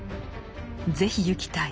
「是非ゆきたい。